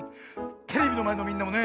テレビのまえのみんなもね